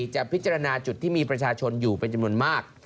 จะพิจารณาจุดที่มีประชาชนอยู่เป็นจำนวนมาก